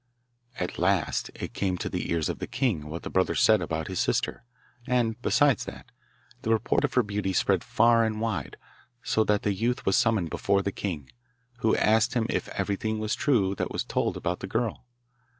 At last it came to the ears of the king what the brother said about his sister, and, besides that, the report of her beauty spread far and wide, so that the youth was summoned before the king, who asked him if everything was true that was told about the girl.